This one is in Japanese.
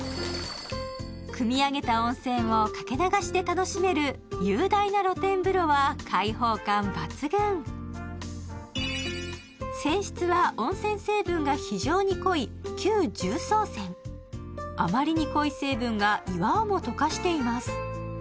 くみ上げた温泉を掛け流しで楽しめる雄大な露天風呂は開放感抜群泉質は温泉成分が非常に濃い旧重曹泉あまりに濃い成分が岩をも溶かしています